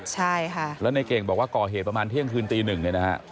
ใช่ค่ะแล้วในเก่งบอกว่าก่อเหตุประมาณเที่ยงคืนตีหนึ่งเนี่ยนะฮะ